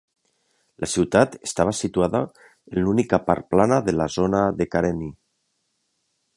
La ciutat estava situada en l'única part plana de la zona de Karenni.